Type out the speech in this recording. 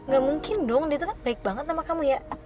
gak mungkin dong dia tuh kan baik banget sama kamu ya